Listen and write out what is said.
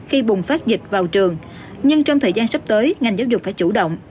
khi bùng phát dịch vào trường nhưng trong thời gian sắp tới ngành giáo dục phải chủ động